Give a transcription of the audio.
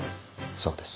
そうです。